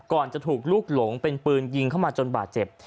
จะถูกลูกหลงเป็นปืนยิงเข้ามาจนบาดเจ็บ